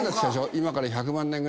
今から１００万年ぐらい前。